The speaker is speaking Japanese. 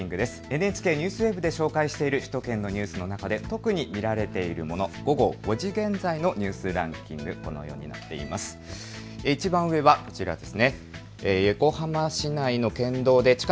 ＮＨＫＮＥＷＳＷＥＢで紹介している首都圏のニュースの中で特に見られているもの、午後５時現在のニュースランキング、このようになっています。